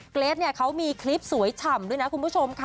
เกรจเขามีคลิปสวยฉ่ำด้วยคุณผู้ชม